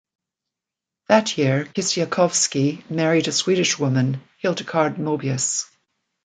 That year, Kistiakowsky married a Swedish woman, Hildegard Moebius.